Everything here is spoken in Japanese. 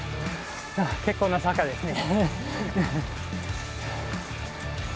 結構な坂ですね。